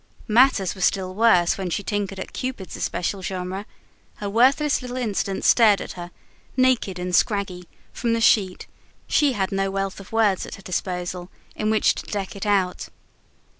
Matters were still worse when she tinkered at Cupid's especial genre: her worthless little incident stared at her, naked and scraggy, from the sheet; she had no wealth of words at her disposal in which to deck it out.